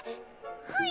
はい。